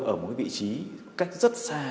ở một vị trí cách rất xa